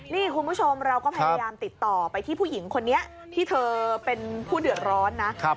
นี่คุณผู้ชมเราก็พยายามติดต่อไปที่ผู้หญิงคนนี้ที่เธอเป็นผู้เดือดร้อนนะ